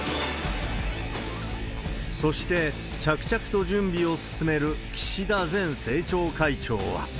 そして、着々と準備を進める岸田前政調会長は。